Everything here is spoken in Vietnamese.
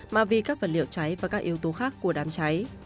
mà vì các vật liệu cháy và các yếu tố khác của đám cháy